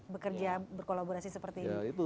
bekerja berkolaborasi seperti ini